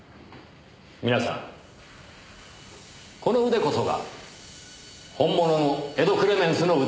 皆さんこの腕こそが本物の『エド・クレメンスの腕』です。